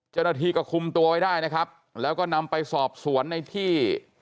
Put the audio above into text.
เจ้าหน้าที่ก็คุมตัวไว้ได้นะครับแล้วก็นำไปสอบสวนในที่